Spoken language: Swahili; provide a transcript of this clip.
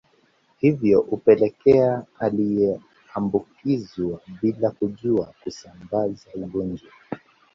Hivyo hupelekea aliyeambukizwa bila kujua kusambaza ugonjwa